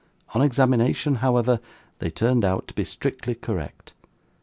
On examination, however, they turned out to be strictly correct.